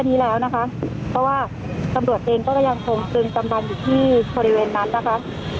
เพราะว่าตำรวจเองก็ยังทงซึมตำรังอยู่ที่บริเวณนั้นนะคะ